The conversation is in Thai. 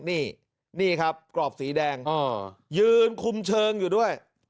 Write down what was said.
นี่นี่ครับกรอบสีแดงยืนคุมเชิงอยู่ด้วย